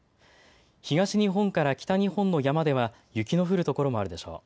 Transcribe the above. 東日本から北日本の山では雪の降る所もあるでしょう。